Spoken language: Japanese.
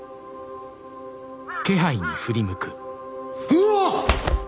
うわあっ！